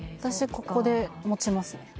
ここで持ちますね